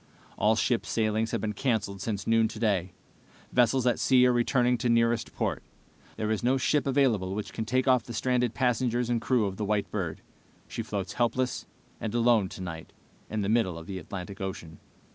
"All ship sailings have been canceled since noon today. Vessels at sea are returning to nearest port. There is no ship available which can take off the stranded passengers and crew of the White Bird. She floats helpless and alone tonight in the middle of the Atlantic Ocean.